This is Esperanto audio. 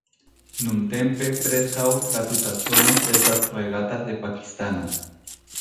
Nuntempe preskaŭ la tuta zono estas regata de Pakistano.